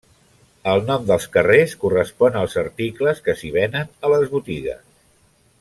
El nom dels carrers correspon als articles que s'hi venen a les botigues.